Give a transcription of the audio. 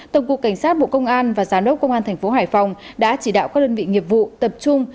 tổng cụ cảnh sát bộ công an và giám đốc công an tp hải phòng đã chỉ đạo các đơn vị nghiệp vụ tập trung